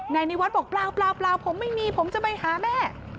ในนิวัฒน์บอกเปล่าผมไม่มีผมจะไปหาแม่